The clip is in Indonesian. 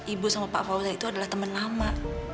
ibu sama pak fawzi itu adalah temen lama